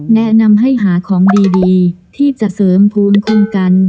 แนะนำให้หาของดีที่จะเสริมภูมิคุ้มกัน